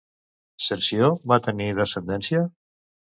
Cerció va tenir descendència?